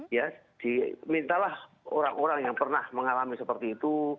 ya dimintalah orang orang yang pernah mengalami seperti itu